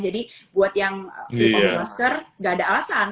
jadi buat yang mau masker gak ada alasan